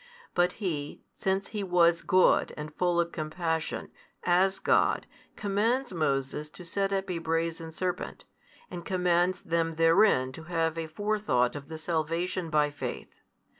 But He, since He was Good and full of compassion, as God, commands Moses to set up a brazen serpent; and commands them therein to have a forethought of the salvation by faith.